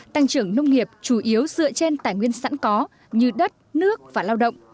tăng trưởng nông nghiệp chủ yếu dựa trên tài nguyên sẵn có như đất nước và lao động